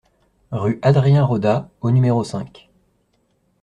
Rue Adrien Rodat au numéro cinq